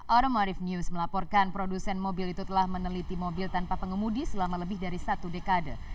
automotif news melaporkan produsen mobil itu telah meneliti mobil tanpa pengemudi selama lebih dari satu dekade